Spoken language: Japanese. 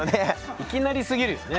いきなりすぎるよね。